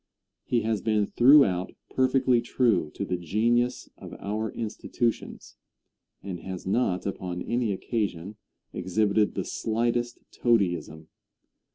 He has been throughout perfectly true to the genius of our institutions, and has not upon any occasion exhibited the slightest toadyism.